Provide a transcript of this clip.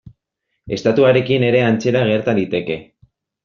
Estatuarekin ere antzera gerta liteke.